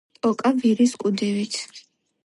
ვტოკავ ვირის კუდივით